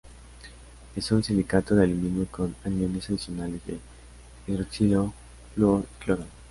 Es un silicato de aluminio con aniones adicionales de hidroxilo, flúor y cloro.